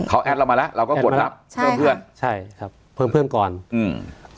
เขาแอดเรามาแล้วเราก็กดรับใช่เพิ่มเพื่อนใช่ครับเพิ่มเพื่อนก่อนอืม